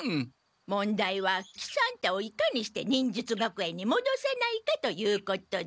問題は喜三太をいかにして忍術学園にもどさないかということじゃ。